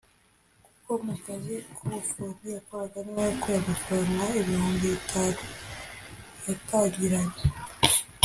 kuko mu kazi k’ubufundi yakoraga niho yakuye amafaranaga ibihumbi bitanu yatangiranye